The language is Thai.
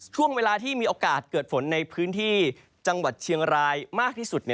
ช่วงเวลาที่มีโอกาสเกิดฝนในพื้นที่จังหวัดเชียงรายมากที่สุด